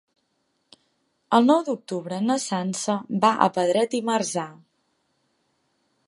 El nou d'octubre na Sança va a Pedret i Marzà.